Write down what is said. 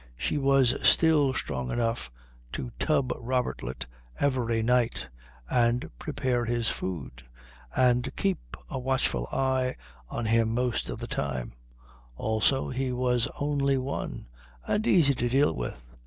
She was still strong enough to tub Robertlet every night and prepare his food, and keep a watchful eye on him most of the time; also, he was only one, and easy to deal with.